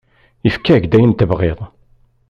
Yefka-ak-d ayen tebɣiḍ.